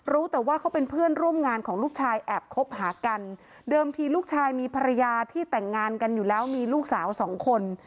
รู้แต่ว่าเขาเป็นเพื่อนร่วมงานของลูกชายแอบคบหากันเดิมทีลูกชายมีภรรยาที่แต่งงานกันอยู่แล้วมีลูกสาวสองคน